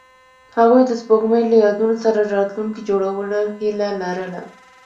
هغوی د سپوږمۍ له یادونو سره راتلونکی جوړولو هیله لرله.